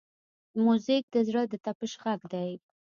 موزیک د زړه د طپش غږ دی.